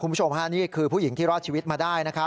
คุณผู้ชมนี่คือผู้หญิงที่รอดชีวิตมาได้